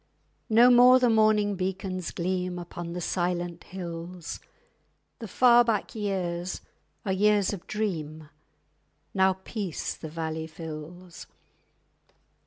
_ No more the morning beacons gleam Upon the silent hills; The far back years are years of dream— _Now peace the valley fills.